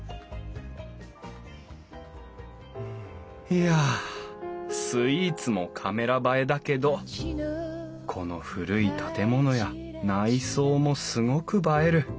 いやスイーツもカメラ映えだけどこの古い建物や内装もすごく映える。